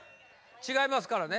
違いますからね